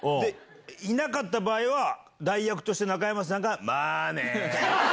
いなかった場合は、代役として中山さんがまぁねって。